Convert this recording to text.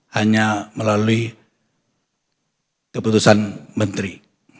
hanya melalui keputusan menteri